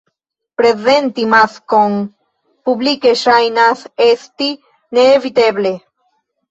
Prezenti maskon publike ŝajnas esti neeviteble.